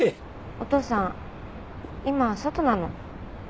お父さん今外なの。